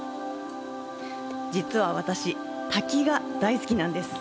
実は、私、滝が大好きなんです。